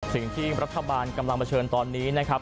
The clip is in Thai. สิ่งที่รัฐบาลกำลังเผชิญตอนนี้นะครับ